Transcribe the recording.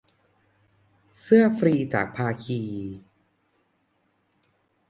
เสื้อฟรีจากภาคี